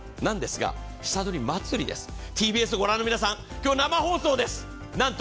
なんですが、下取り祭です、ＴＢＳをご覧の皆さん、今日、生放送です。